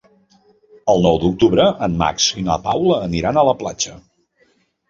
El nou d'octubre en Max i na Paula aniran a la platja.